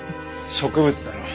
植物だろう？